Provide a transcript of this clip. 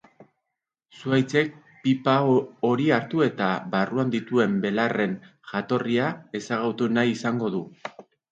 Zuhaitzek pipa hori hartu eta barruan dituen belarren jatorria ezagutu nahi izango du.